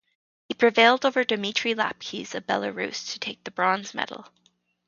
He prevailed over Dmitry Lapkes of Belarus to take the bronze medal.